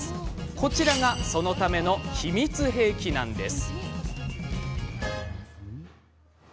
こちらがそのための秘密兵器なんです。